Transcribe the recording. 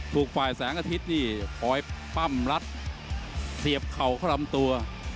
ถูกฝ่ายแสงอาทิตย์นี่คอยปั้มรัดเสียบเข่าเข้าลำตัว